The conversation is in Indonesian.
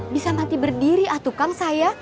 bisa mati berdiri atukang saya